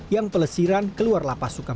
yang pelesiran keluar lapas suka